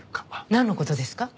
なんの事ですか？